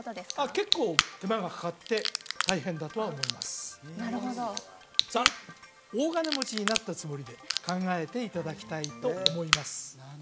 結構手間がかかって大変だとは思いますあっなるほどさあ大金持ちになったつもりで考えていただきたいと思います